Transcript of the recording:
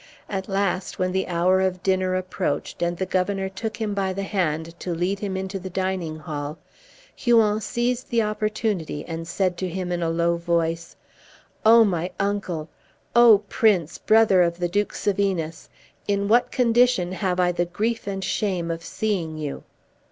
At last, when the hour of dinner approached, and the Governor took him by the hand to lead him into the dining hall, Huon seized the opportunity and said to him in a low voice, "O my uncle! O Prince, brother of the Duke Sevinus! in what condition have I the grief and shame of seeing you!"